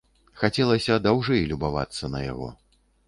Хацелася даўжэй любавацца на яго.